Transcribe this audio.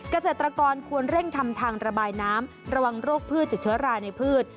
เกษตรกรควรเร่งทำทางระบายน้ำระวังโรคพืชจากเชื้อรายในพืช